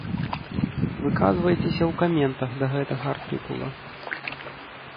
Выказвайцеся ў каментах да гэтага артыкула.